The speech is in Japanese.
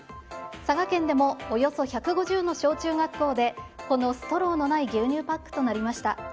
佐賀県でもおよそ１５０の小中学校でこのストローのない牛乳パックとなりました。